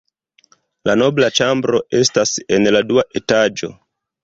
La nobla ĉambro estas en la dua etaĝo.